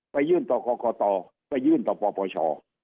ยื่นต่อกรกตไปยื่นต่อปปช